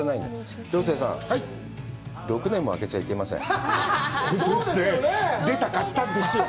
涼成さん、６年も空けちゃいけません。